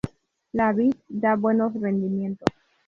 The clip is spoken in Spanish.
La vid da buenos rendimientos.